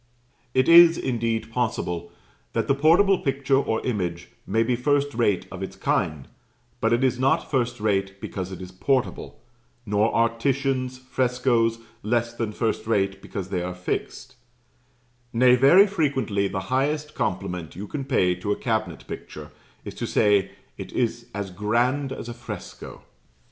It is, indeed, possible that the portable picture or image may be first rate of its kind, but it is not first rate because it is portable; nor are Titian's frescoes less than first rate because they are fixed; nay, very frequently the highest compliment you can pay to a cabinet picture is to say "It is as grand as a fresco."